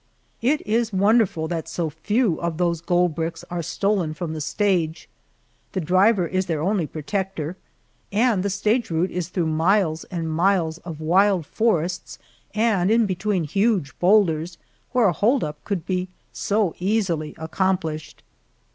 It is wonderful that so few of those gold bricks are stolen from the stage. The driver is their only protector, and the stage route is through miles and miles of wild forests, and in between huge boulders where a "hold up" could be so easily accomplished.